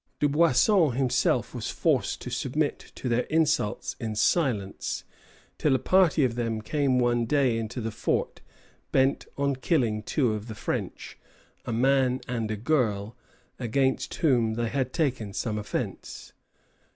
Dubuisson himself was forced to submit to their insults in silence, till a party of them came one day into the fort bent on killing two of the French, a man and a girl, against whom they had taken some offence.